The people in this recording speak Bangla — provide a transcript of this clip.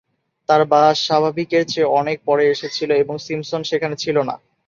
কিন্তু তার বাস স্বাভাবিকের চেয়ে অনেক পরে এসেছিল এবং সিম্পসন সেখানে ছিল না।